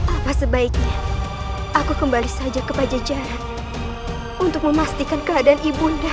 apa sebaiknya aku kembali saja ke pajajaran untuk memastikan keadaan ibunda